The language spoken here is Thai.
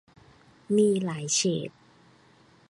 มีหลายเฉด